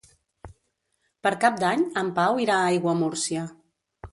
Per Cap d'Any en Pau irà a Aiguamúrcia.